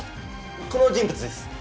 この人物です